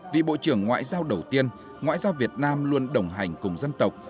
vị bộ trưởng ngoại giao đầu tiên ngoại giao việt nam luôn đồng hành cùng dân tộc